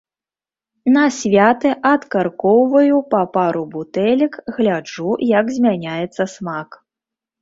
На святы адкаркоўваю па пару бутэлек, гляджу, як змяняецца смак.